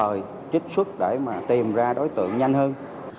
rồi trích xuất để mà tìm ra đối tượng nhanh hơn